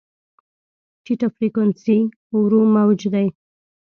ټیټه فریکونسي ورو موج دی.